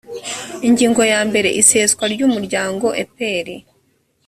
ingingo ya mbere iseswa ry umuryango epr